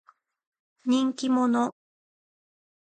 人気者。